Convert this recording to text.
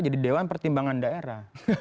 jadi dewan pertimbangan daerah